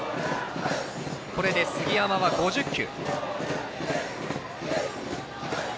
これで杉山は５０球。